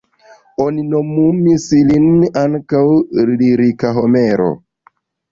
Oni nomumis lin ankaŭ "lirika Homero".